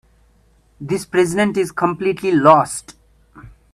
This president is completely lost.